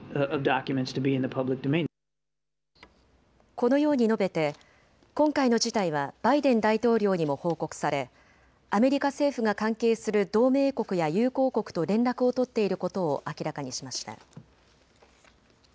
このように述べて今回の事態はバイデン大統領にも報告されアメリカ政府が関係する同盟国や友好国と連絡を取っていることを明らかにしました。